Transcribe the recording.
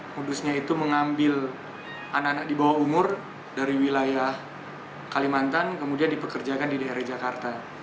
kudusnya itu mengambil anak anak di bawah umur dari wilayah kalimantan kemudian dipekerjakan di daerah jakarta